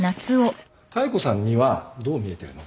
妙子さんにはどう見えてるの？